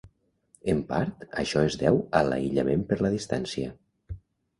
En part, això es deu a l'aïllament per la distància.